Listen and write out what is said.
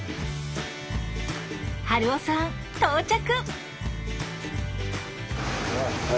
春雄さん到着。